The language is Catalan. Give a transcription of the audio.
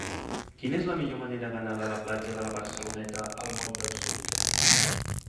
Quina és la millor manera d'anar de la platja de la Barceloneta al moll del Sud?